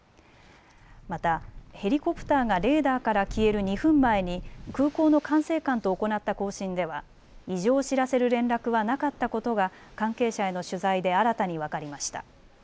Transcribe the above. またヘリコプターがレーダーから消える２分前に空港の管制官と行った交信では、異常を知らせる連絡はなかったことが関係者への取材で新たに分かりました。